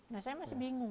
nah saya masih bingung